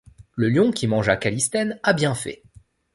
Le lion qui mangea Callisthène a bien fait.